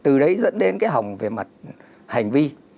từ đấy dẫn đến cái hỏng về mặt hành vi